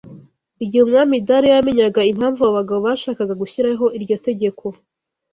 Igihe Umwami Dariyo yamenyaga impamvu abo bagabo bashakaga gushyiraho iryo tegeko